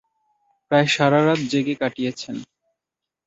প্রায় সারা রাত জেগে কাটিয়েছেন।